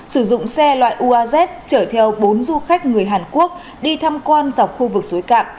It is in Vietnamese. sử dụng xe loại uaz chở theo bốn du khách người hàn quốc đi tham quan dọc khu vực suối cạn